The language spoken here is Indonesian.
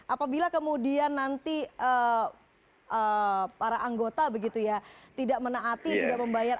apabila kemudian nanti para anggota begitu ya tidak menaati tidak membayar